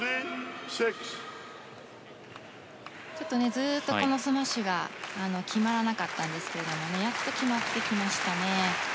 ずっとスマッシュが決まらなかったんですがやっと決まってきましたね。